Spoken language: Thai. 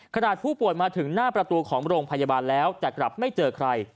ขนาดผู้ป่วยมาถึงหน้าประตูของโรงพยาบาลแล้วแต่กลับไม่เจอใคร